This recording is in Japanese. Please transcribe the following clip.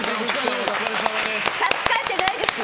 差し替えてないですよ！